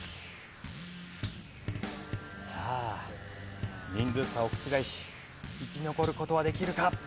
さあ人数差を覆し生き残る事はできるか？